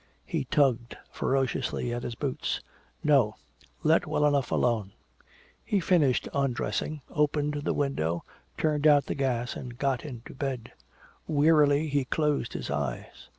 He tugged ferociously at his boots. "No, let well enough alone!" He finished undressing, opened the window, turned out the gas and got into bed. Wearily he closed his eyes.